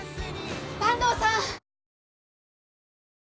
坂東さん！